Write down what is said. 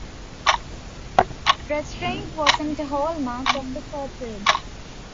Restraint wasn't a hallmark of the fur trade.